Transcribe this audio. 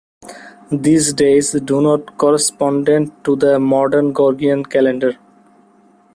These days do not correspond to the modern Gregorian calendar.